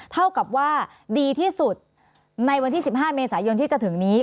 เท่ากับว่าดีที่สุดในวันที่๑๕เมษายนที่จะถึงนี้